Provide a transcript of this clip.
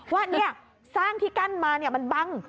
ว่าสร้างที่กั้นมามันบัง